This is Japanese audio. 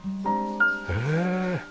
へえ。